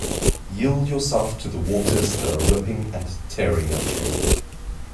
Yield yourself to the waters that are ripping and tearing at you.